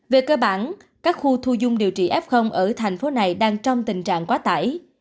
về cơ bản các khu thu dung điều trị f ở thành phố này đang trong tình trạng quá tải